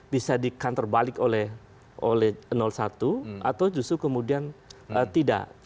bisa dikantar balik oleh satu atau justru kemudian tidak